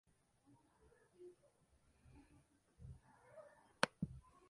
Área metropolitana de St.